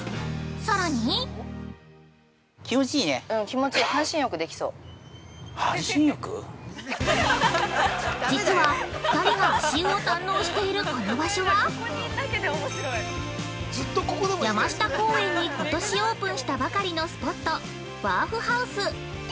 さらに◆実は、２人が足湯を堪能しているこの場所は、山下公園に今年オープンしたばかりのスポット「ワーフハウス」